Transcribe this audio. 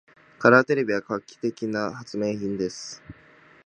カラーテレビは画期的な発明品です。